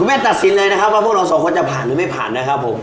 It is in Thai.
แม่ตัดสินเลยนะครับว่าพวกเราสองคนจะผ่านหรือไม่ผ่านนะครับผม